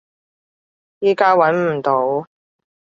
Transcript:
依家揾唔到